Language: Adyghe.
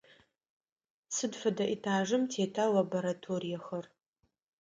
Сыд фэдэ этажым тета лабораториехэр?